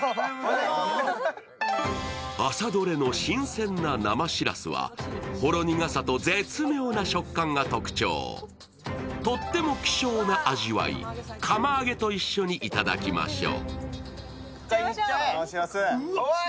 朝どれの新鮮な生しらすはほろ苦さと絶妙な食感が特徴、とっても希少な味わい、釜揚げと一緒にいただきましょう。